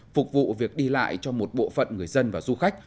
phục vụ việc đi lại cho một bộ phận người dân và du khách